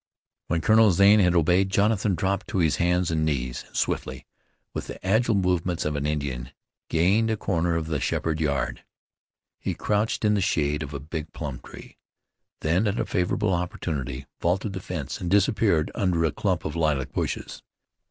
When Colonel Zane had obeyed Jonathan dropped to his hands and knees, and swiftly, with the agile movements of an Indian, gained a corner of the Sheppard yard. He crouched in the shade of a big plum tree. Then, at a favorable opportunity, vaulted the fence and disappeared under a clump of lilac bushes.